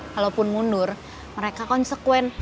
walaupun mundur mereka konsekuen